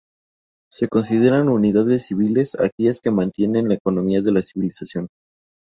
Se consideran unidades civiles aquellas que mantienen la economía de la civilización.